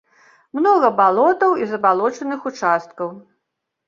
Многа балотаў і забалочаных участкаў.